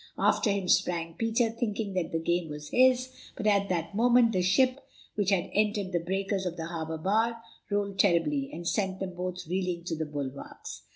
After him sprang Peter, thinking that the game was his, but at that moment the ship, which had entered the breakers of the harbour bar, rolled terribly, and sent them both reeling to the bulwarks.